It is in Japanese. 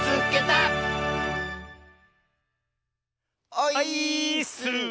オイーッス！